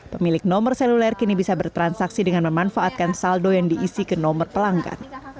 pemilik nomor seluler kini bisa bertransaksi dengan memanfaatkan saldo yang diisi ke nomor pelanggan